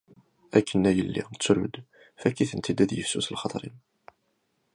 Akken a yelli, ttru-d, fakk-iten-id ad yifsus lxaṭer-im.